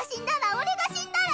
俺が死んだら？